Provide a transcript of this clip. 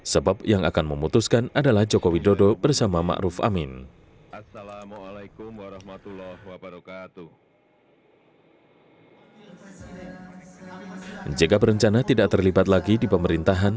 sebab yang akan memutuskan adalah jokowi dodo bersama ma'ruf amin